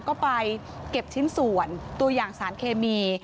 ก็ไปเก็บชิ้นส่วนตัวอย่างสารเคมี